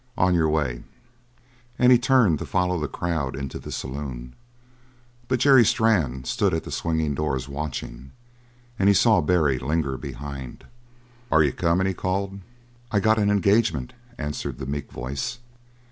On your way!" And he turned to follow the crowd into the saloon. But Jerry Strann stood at the swinging doors, watching, and he saw Barry linger behind. "Are you coming?" he called. "I got an engagement," answered the meek voice.